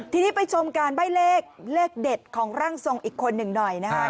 ทีนี้ไปชมการใบ้เลขเด็ดของร่างทรงอีกคนหนึ่งหน่อยนะครับ